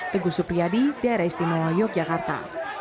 teguh supriyadi daerah istimewa yogyakarta